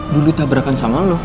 dulu tabrakan sama lo